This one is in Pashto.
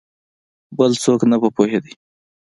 بل څوک نه په پوهېدی !